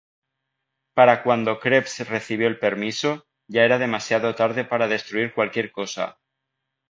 Para cuando Krebs recibió el permiso, ya era demasiado tarde para destruir cualquier cosa.